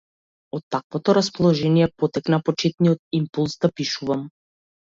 Од таквото расположение потекна почетниот импулс да пишувам.